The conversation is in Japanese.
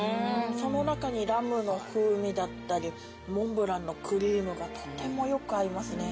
その中にラムの風味だったりモンブランのクリームがとてもよく合いますね。